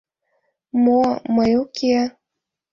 Мо... мый уке.